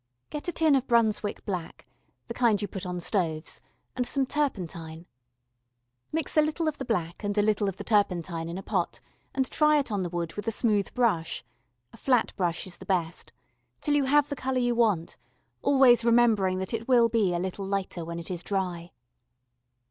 Get a tin of Brunswick black the kind you put on stoves and some turpentine. Mix a little of the black and a little of the turpentine in a pot and try it on the wood with a smooth brush a flat brush is the best till you have the colour you want, always remembering that it will be a little lighter when it is dry.